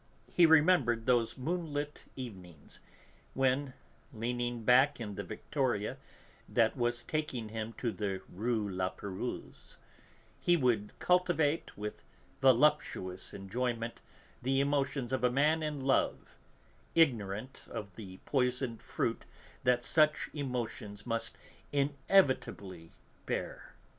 He remembered those moonlit evenings, when, leaning back in the victoria that was taking him to the Rue La Pérouse, he would cultivate with voluptuous enjoyment the emotions of a man in love, ignorant of the poisoned fruit that such emotions must inevitably bear.